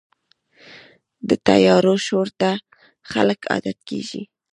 د طیارو شور ته خلک عادت کېږي.